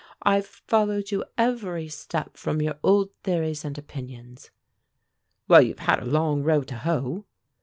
I've followed you every step from your old theories and opinions." "Well, you've had a long row to hoe."